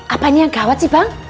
apa ini yang gawat sih bang